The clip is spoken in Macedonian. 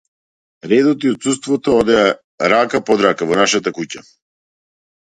Редот и отсуството одеа рака под рака во нашата куќа.